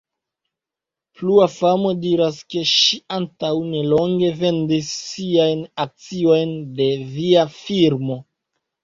Plua famo diras, ke ŝi antaŭ nelonge vendis siajn akciojn de via firmo.